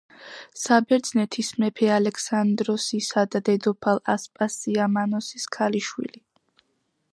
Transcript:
საბერძნეთის მეფე ალექსანდროსისა და დედოფალ ასპასია მანოსის ქალიშვილი.